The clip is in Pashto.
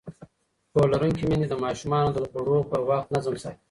پوهه لرونکې میندې د ماشومانو د خوړو پر وخت نظم ساتي.